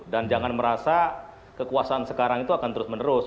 dan jangan merasa kekuasaan sekarang itu akan terus menerus